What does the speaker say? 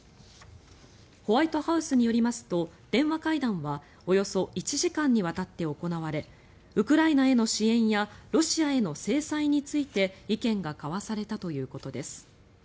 ホワイトハウスによりますと電話会談はおよそ１時間にわたって行われウクライナへの支援やロシアへの制裁について意見が交わされたということです。